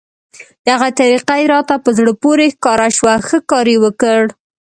دغه طریقه یې راته په زړه پورې ښکاره شوه، ښه کار یې وکړ.